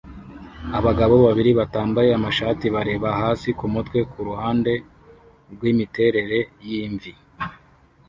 Abagabo babiri batambaye amashati bareba hasi kumutwe kuruhande rwimiterere yimvi